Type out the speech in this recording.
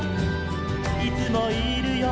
「いつもいるよ」